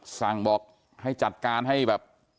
สั่งบอกให้จัดการให้แบบ